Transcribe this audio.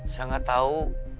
saya gak tau